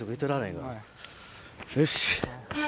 よし。